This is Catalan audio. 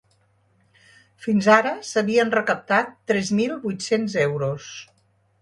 Fins ara s’havien recaptat tres mil vuit-cents euros.